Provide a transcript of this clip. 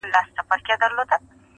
نوم مي د ليلا په لاس کي وليدی.